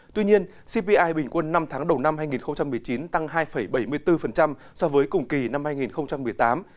tuy nhiên cpi bình quân năm tháng đầu năm hai nghìn một mươi chín tăng hai bảy mươi bốn so với cùng kỳ năm hai nghìn một mươi tám